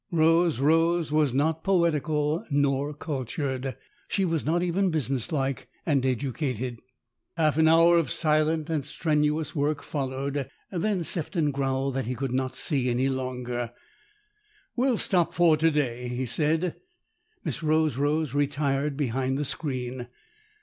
Rose Rose was not poetical nor cultured ; she was not even business like and educated. ROSE ROSE 147 Half an hour of silent and strenuous work followed. Then Sefton growled that he could not see any longer. "We'll stop for to day," he said. Miss Rose Rose retired behind the screen.